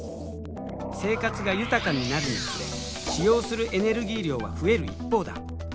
生活が豊かになるにつれ使用するエネルギー量は増える一方だ。